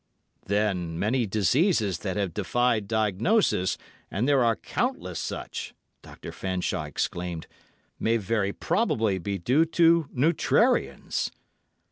"Then many diseases that have defied diagnosis, and there are countless such," Dr. Fanshawe exclaimed, "may very probably be due to neutrarians."